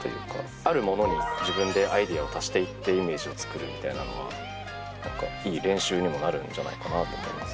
あるものに自分でアイデアを足していってイメージを作るみたいなのは何かいい練習にもなるんじゃないかなと思いますね。